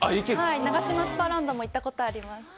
ナガシマスパーランドも行ったこともあります。